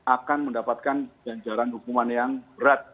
akan mendapatkan ganjaran hukuman yang berat